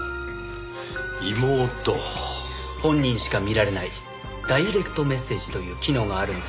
本人しか見られないダイレクトメッセージという機能があるんですが。